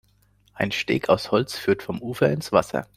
Ein Steg aus Holz führt vom Ufer ins Wasser.